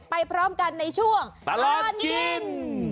พร้อมกันในช่วงตลอดกิน